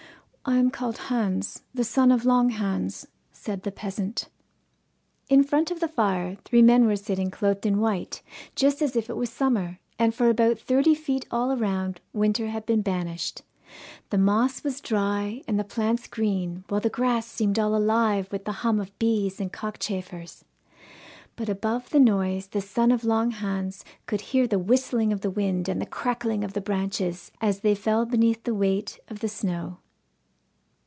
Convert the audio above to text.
'I am called Hans, the son of Long Hans,' said the peasant. In front of the fire three men were sitting clothed in white, just as if it was summer, and for about thirty feet all round winter had been banished. The moss was dry and the plants green, while the grass seemed all alive with the hum of bees and cockchafers. But above the noise the son of Long Hans could hear the whistling of the wind and the crackling of the branches as they fell beneath the weight of the snow.